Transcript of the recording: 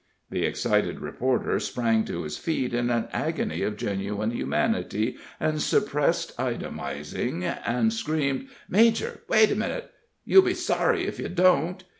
The excited reporter sprang to his feet in an agony of genuine humanity and suppressed itemizing, and screamed: "Major, wait a minute you'll be sorry if you don't!"